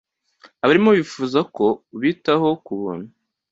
abarimu bifuza ko ubitaho kubuntu